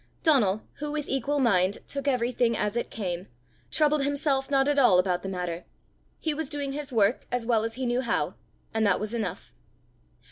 Donal, who with equal mind took everything as it came, troubled himself not at all about the matter. He was doing his work as well as he knew how, and that was enough.